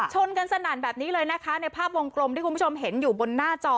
ชนกันสนั่นแบบนี้เลยนะคะในภาพวงกลมที่คุณผู้ชมเห็นอยู่บนหน้าจอ